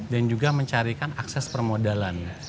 juga mencarikan akses permodalan